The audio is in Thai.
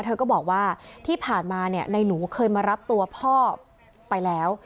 เธอก็บอกว่าที่ผ่านมาเนี่ยในหนูเคยมารับตัวพ่อไปแล้ว